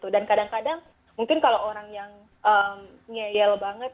dan kadang kadang mungkin kalau orang yang ngeyel banget